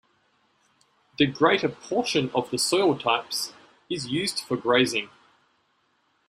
The greater portion of the soil types is used for grazing.